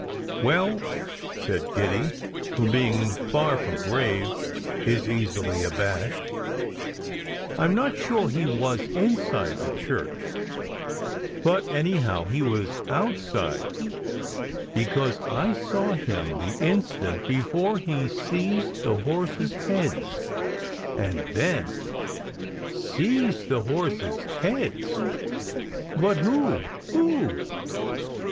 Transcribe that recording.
"Well," said Kitty, who being far from brave is easily abashed, "I m not sure he was inside the church, but any 192 SECRET HISTORY how he was outside, because I saw him the instant before he seized the horses heads. And then " "Seized the horses heads? But who who?